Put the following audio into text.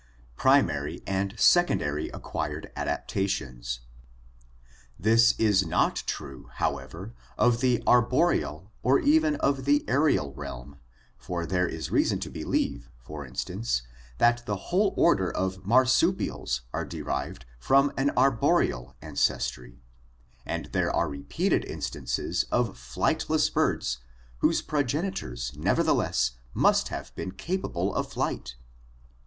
Primary and Secondary Acquired Adaptations. — This is not true, however, of the arboreal or even of the aerial realm, for there is reason to believe, for instance, that the whole order of marsu pials are derived from an arboreal ancestry, and there are repeated instances of flightless birds whose progenitors nevertheless must have been capable of flight.